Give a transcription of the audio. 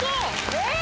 えっ！